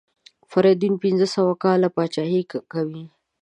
فریدون پنځه سوه کاله پاچهي کوي.